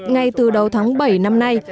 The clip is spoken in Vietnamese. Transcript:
ngay từ đầu tháng bảy năm nay